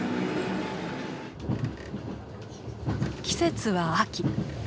季節は秋。